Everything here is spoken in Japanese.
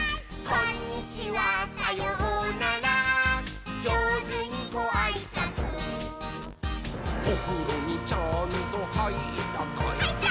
「こんにちはさようならじょうずにごあいさつ」「おふろにちゃんとはいったかい？」はいったー！